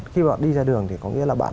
khi bạn đi ra đường thì có nghĩa là bạn